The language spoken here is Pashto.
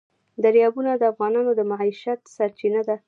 دریابونه د افغانانو د معیشت سرچینه ده.